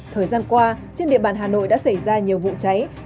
thời gian qua trên địa bàn hà nội đã xảy ra nhiều vụ cháy